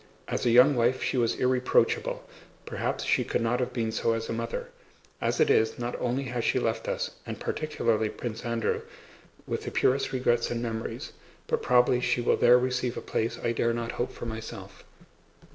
As a young wife she was irreproachable; perhaps she could not have been so as a mother. As it is, not only has she left us, and particularly Prince Andrew, with the purest regrets and memories, but probably she will there receive a place I dare not hope for myself.